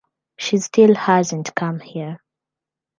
She’s still hasn’t come here.